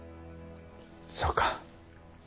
そうか。